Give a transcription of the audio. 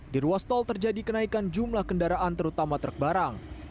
di ruas tol terjadi kenaikan jumlah kendaraan terutama truk barang